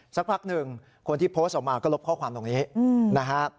สักพักหนึ่งคนที่โพสต์ออกมาก็ลบข้อความตรงนี้นะฮะ